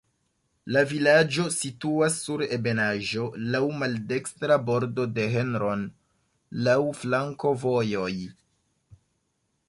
La vilaĝo situas sur ebenaĵo, laŭ maldekstra bordo de Hron, laŭ flankovojoj.